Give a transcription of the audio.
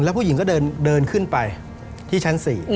แล้วผู้หญิงก็เดินขึ้นไปที่ชั้น๔